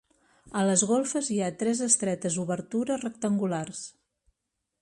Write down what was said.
A les golfes hi ha tres estretes obertures rectangulars.